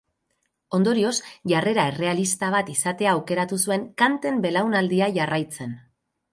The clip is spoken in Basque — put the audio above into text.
Ondorioz jarrera errealista bat izatea aukeratu zuen Kanten belaunaldia jarraitzen.